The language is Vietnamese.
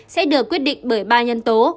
hãy được quyết định bởi ba nhân tố